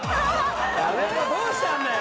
どうしたんだよ！